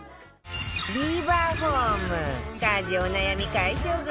ビバホーム家事お悩み解消グッズ